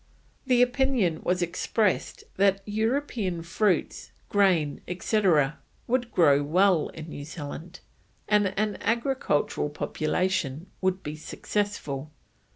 The opinion was expressed that European fruits, grain, etc., would grow well in New Zealand, and an agricultural population would be successful.